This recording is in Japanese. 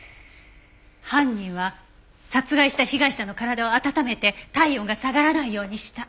犯人は殺害した被害者の体を温めて体温が下がらないようにした。